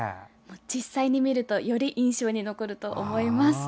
実際に見るとより印象に残ると思います。